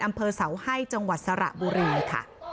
อำเภอเสาให้จังหวัดสระบุรีค่ะ